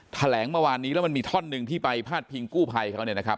แถลงเมื่อวานนี้แล้วมันมีท่อนหนึ่งที่ไปพาดพิงกู้ภัยเขาเนี่ยนะครับ